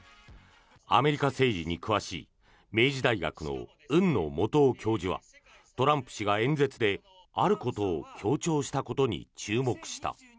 アメリカ政治に詳しい明治大学の海野素央教授はトランプ氏が演説であることを強調したことに注目した。